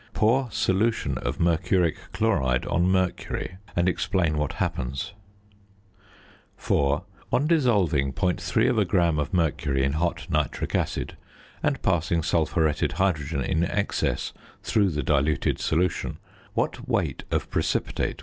Pour solution of mercuric chloride on mercury and explain what happens. 4. On dissolving 0.3 gram of mercury in hot nitric acid, and passing sulphuretted hydrogen in excess through the diluted solution, what weight of precipitate will be got?